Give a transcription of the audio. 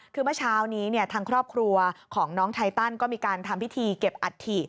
คือเมื่อเช้านี้ทางครอบครัวของน้องไทตันก็มีการทำพิธีเก็บอัฐิ